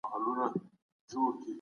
حقیقي عاید د پرمختیا نښه ده.